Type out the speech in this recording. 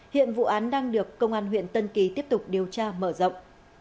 hiện vụ án đang được công an huyện tân kỳ tiếp tục điều tra mở rộng